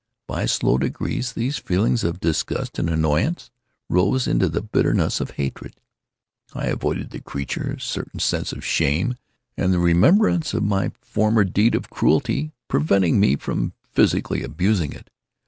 By slow degrees, these feelings of disgust and annoyance rose into the bitterness of hatred. I avoided the creature; a certain sense of shame, and the remembrance of my former deed of cruelty, preventing me from physically abusing it.